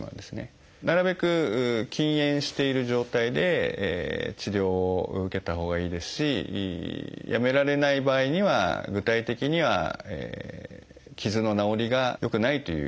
なるべく禁煙している状態で治療を受けたほうがいいですしやめられない場合には具体的には傷の治りが良くないという。